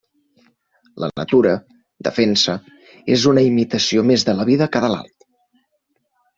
La Natura, defensa, és una imitació més de la Vida que de l'Art.